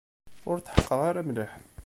Ur tḥeqqeɣ ara mliḥ.